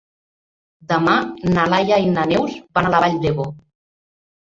Demà na Laia i na Neus van a la Vall d'Ebo.